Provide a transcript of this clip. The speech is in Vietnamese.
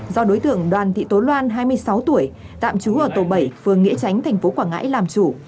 do đối tượng đoàn thị tố loan hai mươi sáu tuổi tạm trú ở tổ bảy phường nghĩa chánh tp quảng ngãi làm chủ